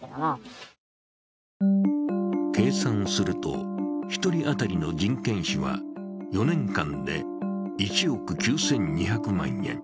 計算すると、１人当たりの人件費は４年間で１億９２００万円。